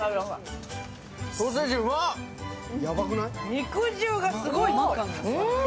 肉汁がすごい。